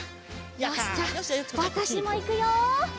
よしじゃあわたしもいくよ！